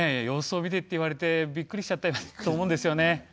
様子を見てって言われてびっくりしちゃったと思うんですよね。